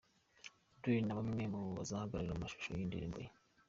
Diyen na bamwe mu bazagaragara mu mashusho y'indirimbo ye.